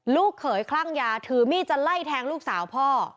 ลูกเขยคลั่งยาถือมีดจะไล่แทงลูกสาวพ่อ